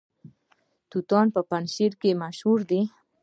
توت په پنجشیر کې مشهور دي